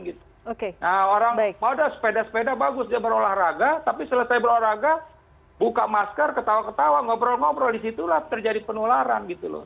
nah orang oh udah sepeda sepeda bagus dia berolahraga tapi selesai berolahraga buka masker ketawa ketawa ngobrol ngobrol disitulah terjadi penularan gitu loh